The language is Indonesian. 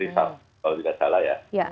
kalau tidak salah ya